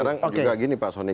sekarang juga gini pak soni